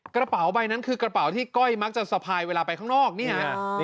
กระเป๋าใบนั้นคือกระเป๋าที่ก้อยมักจะสะพายเวลาไปข้างนอกนี่ฮะ